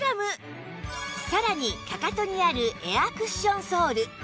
さらにかかとにあるエアクッションソール